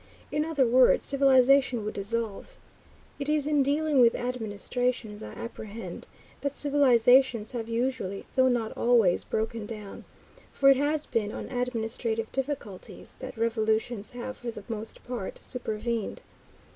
In other words, civilization would dissolve. It is in dealing with administration, as I apprehend, that civilizations have usually, though not always, broken down, for it has been on administrative difficulties that revolutions have for the most part supervened.